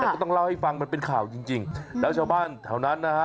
แต่ก็ต้องเล่าให้ฟังมันเป็นข่าวจริงจริงแล้วชาวบ้านแถวนั้นนะฮะ